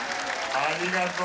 ありがとう！